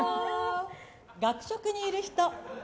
学食にいる人。